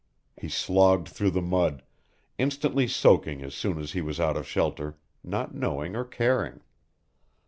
He slogged through the mud, instantly soaking as soon as he was out of shelter, not knowing or caring.